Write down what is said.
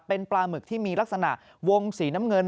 เป็นปลาหมึกที่มีลักษณะวงสีน้ำเงิน